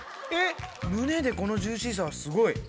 ムネでこのジューシーさはすごい。